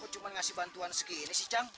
kok cuma ngasih bantuan segini sih jang